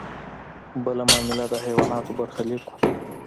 بله معامله د حیواناتو برخلیک و.